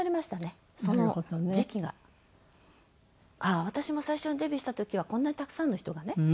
ああ私も最初にデビューした時はこんなにたくさんの人がね